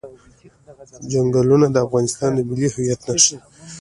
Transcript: چنګلونه د افغانستان د ملي هویت نښه ده.